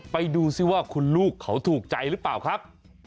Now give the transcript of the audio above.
ไปดูซิว่าคุณลูกเขาถูกใจหรือเปล่าครับ